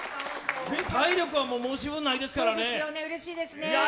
体力は申し分ないですからね。